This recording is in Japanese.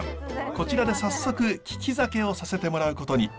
こちらで早速利き酒をさせてもらうことに。